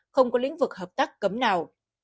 không có lĩnh vực hợp tác cấm nào